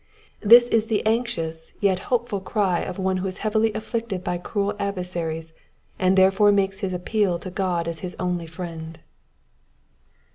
This is the anxious yet hopeful cry of one who is heavily afilicted by cruel adver saries, and therefore makes his appeal to God as his only friend.